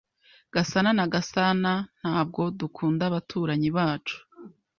Gasana na Gasanantabwo dukunda abaturanyi bacu.